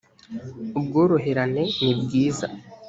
ubworoherane nibwiza.